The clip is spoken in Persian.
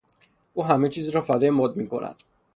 او همهچیز را فدای مد میکند.